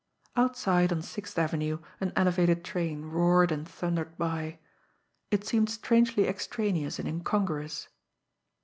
Outside on Sixth Avenue an elevated train roared and thundered by it seemed strangely extraneous and incongruous.